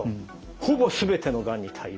「ほぼすべてのがんに対応」。